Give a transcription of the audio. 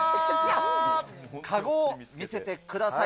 籠を見せてください。